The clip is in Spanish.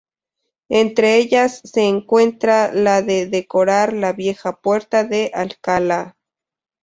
Entre ellas se encuentra la de decorar la vieja Puerta de Alcalá.